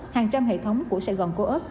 hàng trăm hệ thống của sài gòn co op